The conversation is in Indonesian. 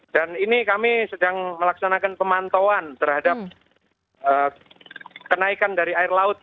dan ini kami sedang melaksanakan pemantauan terhadap kenaikan dari air laut